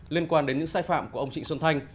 liên quan đến những sai phạm của ông trịnh xuân thanh